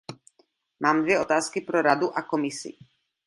Mám dvě otázky pro Radu a Komisi.